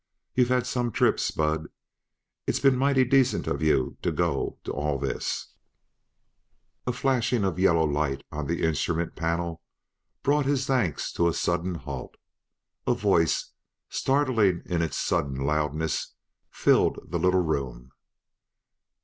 You've had some trip, Spud; it's been mighty decent of you to go to all this "A flashing of yellow light on the instrument panel brought his thanks to a sudden halt. A voice, startling in its sudden loudness, filled the little room.